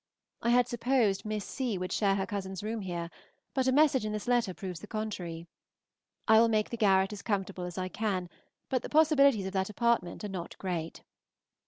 I had supposed Miss C. would share her cousin's room here, but a message in this letter proves the contrary. I will make the garret as comfortable as I can, but the possibilities of that apartment are not great.